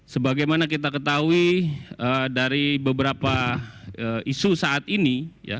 sebagaimana kita ketahui dari beberapa isu saat ini